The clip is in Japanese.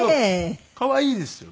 可愛いですよね。